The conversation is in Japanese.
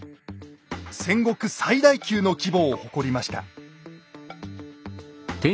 戦国最大級の規模を誇りました。